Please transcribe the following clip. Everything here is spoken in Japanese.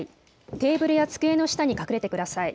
テーブルや机の下に隠れてください。